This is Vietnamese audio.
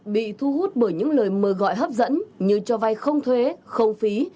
bị thu hút bởi những lời mời gọi hấp dẫn như cho vay không thuế không phí